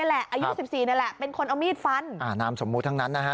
อายุสิบสี่นี่แหละเป็นคนเอามีดฟันอ่านามสมมุติทั้งนั้นนะฮะ